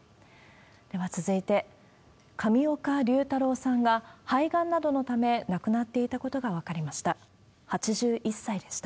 では続いて、上岡龍太郎さんが肺がんなどのため、亡くなっていたことが分かりました。